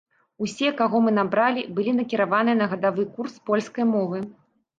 Усе, каго мы набралі, былі накіраваныя на гадавы курс польскай мовы.